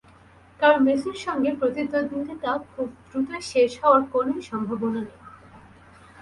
কারণ, মেসির সঙ্গে প্রতিদ্বন্দ্বিতাটা খুব দ্রুতই শেষ হওয়ার কোনোই সম্ভাবনা নেই।